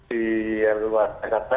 di luar jakarta